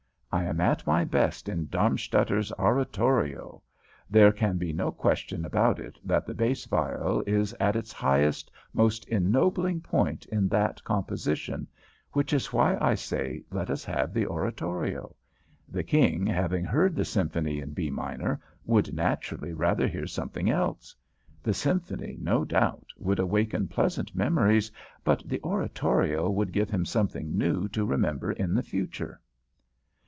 I am at my best in Darmstadter's Oratorio. There can be no question about it that the bass viol is at its highest, most ennobling point in that composition, which is why I say let us have the Oratorio. The King, having heard the Symphony in B Minor, would naturally rather hear something else. The Symphony, no doubt, would awaken pleasant memories, but the Oratorio would give him something new to remember in the future."